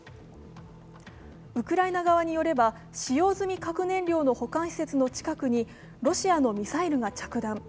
ウクライナ側によれば使用済み核燃料の保管施設の近くにロシアのミサイルが着弾。